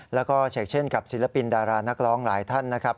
แล้วก็เฉกเช่นกับศิลปินดารานักร้องหลายท่านนะครับ